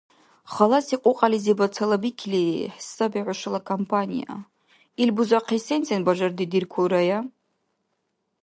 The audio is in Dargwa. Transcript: Халаси кьукьялизибад цалабикили саби хӏушала компания. Ил бузахъес сен-сен бажардидиркулрая?